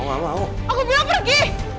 aku gak mau